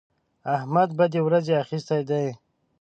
احمد بدې ورځې اخيستی دی.